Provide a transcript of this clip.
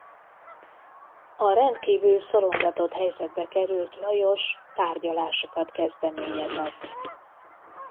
A rendkívül szorongatott helyzetbe került Lajos tárgyalásokat kezdeményezett.